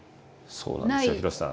そうなんですよ廣瀬さん。